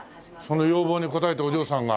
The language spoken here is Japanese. その要望に応えてお嬢さんが。